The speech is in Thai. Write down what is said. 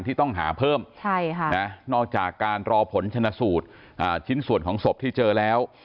ที่ต้องหาเพิ่มนอกจากการรอผลชนะสูตรชิ้นส่วนของศพที่เจอแล้ว